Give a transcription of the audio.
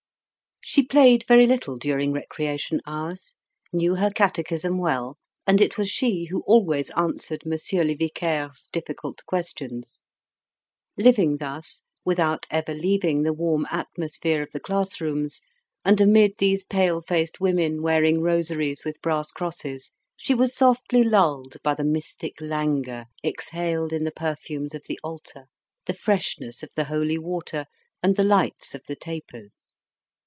She played very little during recreation hours, knew her catechism well, and it was she who always answered Monsieur le Vicaire's difficult questions. Living thus, without ever leaving the warm atmosphere of the classrooms, and amid these pale faced women wearing rosaries with brass crosses, she was softly lulled by the mystic languor exhaled in the perfumes of the altar, the freshness of the holy water, and the lights of the tapers.